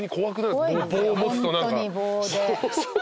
棒持つと何か。